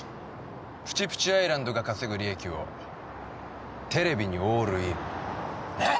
プチプチアイランドが稼ぐ利益をテレビにオールインえっ！？